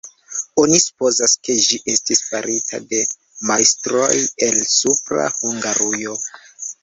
Oni supozas, ke ĝi estis farita de majstroj el Supra Hungarujo.